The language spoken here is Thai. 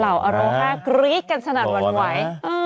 เหล่าอะโหโฮฮ่ากรีกกันสนัดวนไป